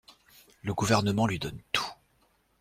Le gouvernement lui donne tout.